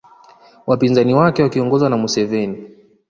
Wapinzani wake wakiongozwa na Museveni